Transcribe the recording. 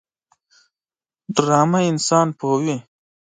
ډرامه انسان پوهوي